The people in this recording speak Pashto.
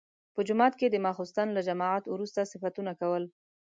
په جومات کې د ماخستن له جماعت وروسته صفتونه کول.